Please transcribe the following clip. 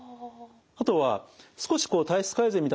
あとは少し体質改善みたいなものですと